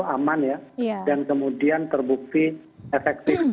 tapi lalu pilih pilih vaksin dari awal vaksinnya terlihat dulu